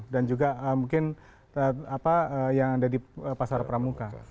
dan juga mungkin yang ada di pasar pramuka